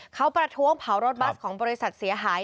เขาประท้วงเผารถบัสของบริษัทเสียหาย